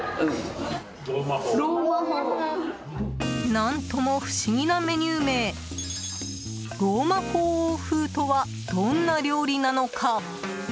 何とも不思議なメニュー名ローマ法王風とはどんな料理なのか？